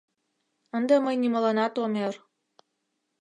— Ынде мый нимоланат ом ӧр.